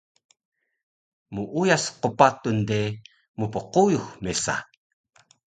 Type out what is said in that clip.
Muuyas qpatun de mpquyux mesa